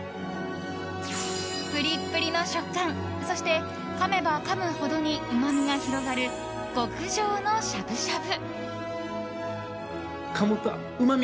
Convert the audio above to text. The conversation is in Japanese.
プリップリの食感そして、かめばかむほどにうまみが広がる極上のしゃぶしゃぶ。